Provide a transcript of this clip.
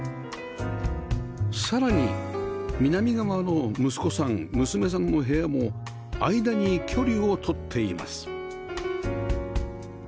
さらに南側の息子さん娘さんの部屋も間に距離を取っています